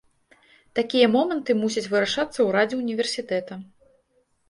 Такія моманты мусяць вырашацца ў радзе ўніверсітэта.